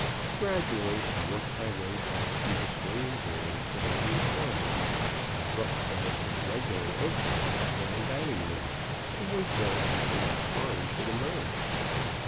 Gradually I worked my way back through the swinging doors to the main corridor and rushed down to the regular entrance of the grand dining salon, to wait there until my quarry should emerge.